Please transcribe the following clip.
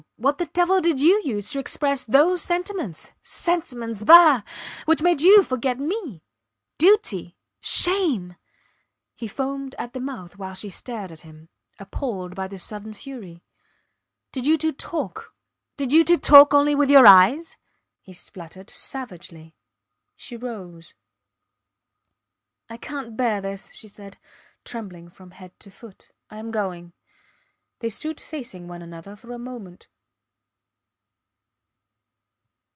What the devil did you use to express those sentiments sentiments pah! which made you forget me, duty, shame! ... He foamed at the mouth while she stared at him, appalled by this sudden fury. Did you two talk only with your eyes? he spluttered savagely. She rose. I cant bear this, she said, trembling from head to foot. I am going. They stood facing one another for a moment.